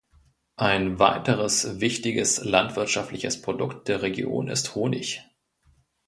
Ein weiteres wichtiges landwirtschaftliches Produkt der Region ist Honig.